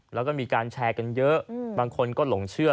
แล้วก็มีการแชร์กันเยอะบางคนก็หลงเชื่อ